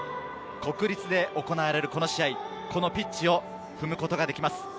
国立で行われるこの試合、このピッチを踏むことができます。